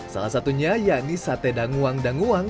salah satunya yakni sate danuang danguang